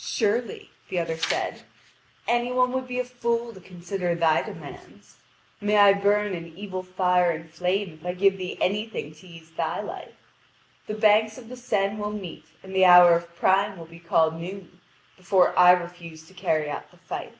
"Surely," the other said, "any one would be a fool to consider thy demands. May I burn in evil fire and flame if I give thee anything to ease thy life! The banks of the Seine will meet, and the hour of prime will be called noon, before I refuse to carry out the fight."